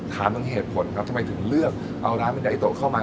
ถามถึงเหตุผลครับทำไมถึงเลือกเอาร้านเป็นดาอิโตเข้ามา